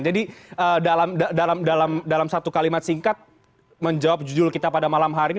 jadi dalam satu kalimat singkat menjawab jujur kita pada malam hari ini